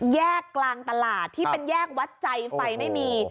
แยกกลางตลาดที่เป็นแยกวัดใจไฟไม่มี